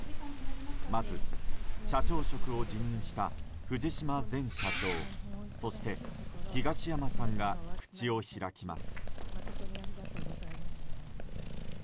まず、社長職を辞任した藤島前社長そして、東山さんが口を開きます。